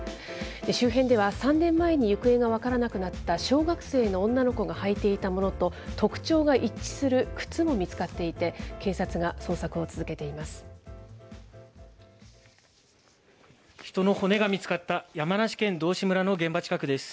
周辺では、３年前に行方が分からなくなった小学生の女の子が履いていたものと特徴が一致する靴も見つかっていて、警察が捜索を続けています。